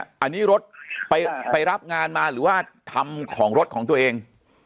อันนี้รถไปรับงานมาหรือว่าทำของรถของตัวเอง